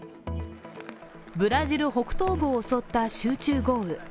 ブラジル北東部を襲った集中豪雨。